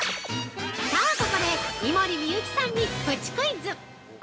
◆さあ、ここで井森美幸さんにプチクイズ！